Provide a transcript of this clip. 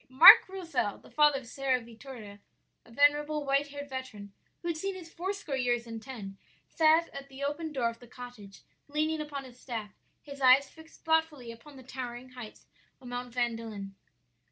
"Marc Rozel, the father of Sara Vittoria, a venerable, white haired veteran who had seen his four score years and ten, sat at the open door of the cottage, leaning upon his staff, his eyes fixed thoughtfully upon the towering heights of Mount Vandelin.